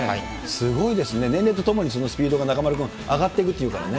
すごいですね、年齢とともにそのスピードが中丸君、上がっていくっていうからね。